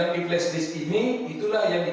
lebih lebih curah saya lihat